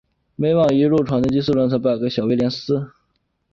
美网一路闯进第四轮才败给小威廉丝。